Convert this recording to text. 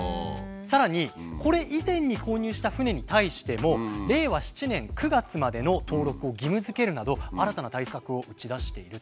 さらにこれ以前に購入した船に対しても令和７年９月までの登録を義務付けるなど新たな対策を打ち出していると。